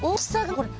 これ。